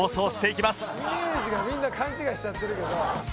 イメージがみんな勘違いしちゃってるけど。